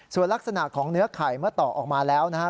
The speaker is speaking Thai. ส่วนลักษณะของเนื้อไข่เมื่อต่อออกมาแล้วนะครับ